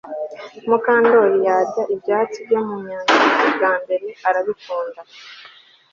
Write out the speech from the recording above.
Mukandoli yarye ibyatsi byo mu nyanja bwa mbere arabikunda